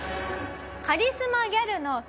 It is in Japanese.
カリスマギャルの卵。